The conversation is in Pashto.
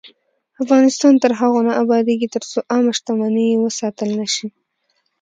افغانستان تر هغو نه ابادیږي، ترڅو عامه شتمني وساتل نشي.